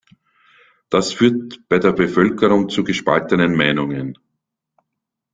Das führt bei der Bevölkerung zu gespaltenen Meinungen.